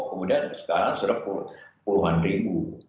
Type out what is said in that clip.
kemudian sekarang sudah puluhan ribu